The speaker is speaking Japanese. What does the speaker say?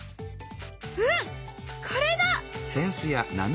うんこれだ！